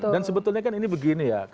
dan sebetulnya kan ini begini ya